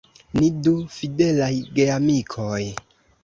Ni du fidelaj geamikoj.